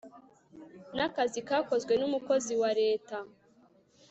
n akazi kakozwe n umukozi wa Leta